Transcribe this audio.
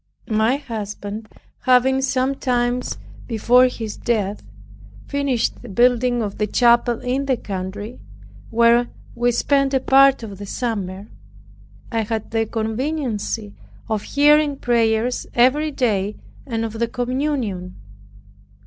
My husband having, sometime before his death, finished the building of the chapel in the country, where we spent a part of the summer, I had the conveniency of hearing prayers every day, and of the communion.